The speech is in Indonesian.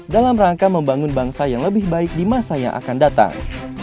dalam rangka membangun bangsa yang lebih baik di masa yang akan datang